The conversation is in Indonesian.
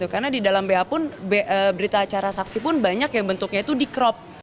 karena di dalam ba pun berita acara saksi pun banyak yang bentuknya itu di crop